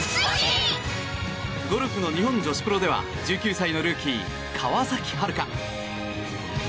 ゴルフの日本女子プロでは１９歳のルーキー、川崎春花。